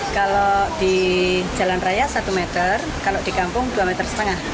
kalau di jalan raya satu meter kalau di kampung dua meter setengah